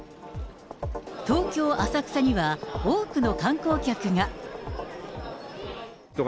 東京・浅草には多くの観光客が。